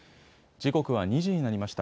時刻は２時になりました。